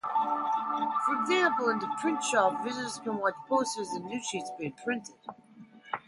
For example, in the printshop, visitors can watch posters and newssheets being printed.